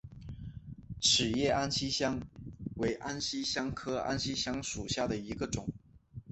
齿叶安息香为安息香科安息香属下的一个种。